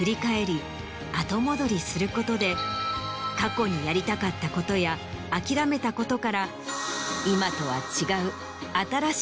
ことで過去にやりたかったことや諦めたことから今とは違う。